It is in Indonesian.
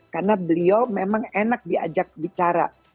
karena beliau memang enak diajak bicara